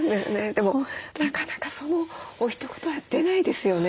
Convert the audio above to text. でもなかなかそのおひと言は出ないですよね。